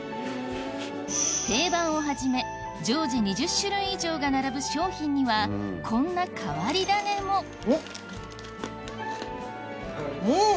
定番をはじめ常時２０種類以上が並ぶ商品にはこんな変わり種もうん！